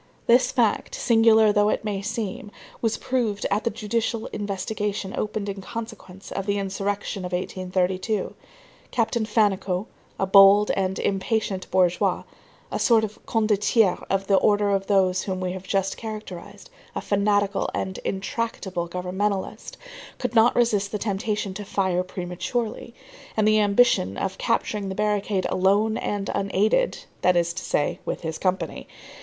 This fact, singular though it may seem, was proved at the judicial investigation opened in consequence of the insurrection of 1832. Captain Fannicot, a bold and impatient bourgeois, a sort of condottiere of the order of those whom we have just characterized, a fanatical and intractable governmentalist, could not resist the temptation to fire prematurely, and the ambition of capturing the barricade alone and unaided, that is to say, with his company.